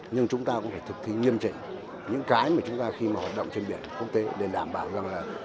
nhưng chúng ta cũng phải thực thi nghiêm trình những cái mà chúng ta khi mà hoạt động trên biển quốc tế để đảm bảo rằng là